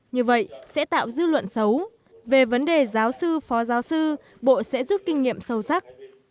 như vậy sẽ tạo dư luận xấu về vấn đề giáo sư phó giáo sư bộ sẽ rút kinh nghiệm sâu sắc